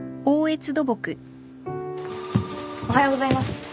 おはようございます。